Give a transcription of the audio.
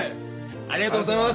ありがとうございます！